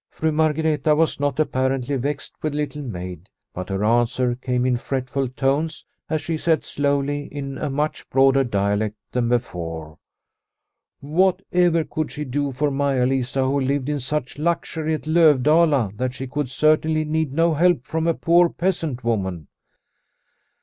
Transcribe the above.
Fra Margreta was not apparently vexed with Little Maid, but her answer came in fretful tones as she said slowly in a much broader dialect than before : Whatever could she do for Maia Lisa, who lived in such luxury at Lovdala that she could certainly need no help from a poor peasant woman